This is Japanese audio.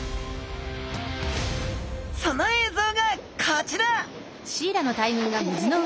その映像がこちら！